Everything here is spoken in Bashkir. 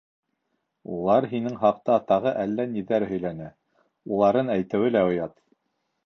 — Улар һинең хаҡта тағы әллә ниҙәр һөйләне, уларын әйтеүе лә оят.